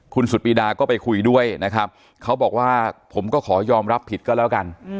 คุณสุดปีดาก็ไปคุยด้วยนะครับเขาบอกว่าผมก็ขอยอมรับผิดก็แล้วกัน